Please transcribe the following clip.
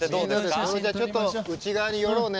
それじゃあちょっと内側に寄ろうね。